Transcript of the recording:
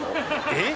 えっ！？